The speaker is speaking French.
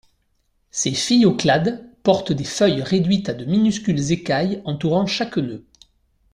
Ces phylloclades portent des feuilles réduites à de minuscules écailles entourant chaque nœud.